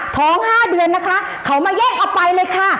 ท้อง๕เดือนนะคะเขามาแย่งเอาไปเลยค่ะ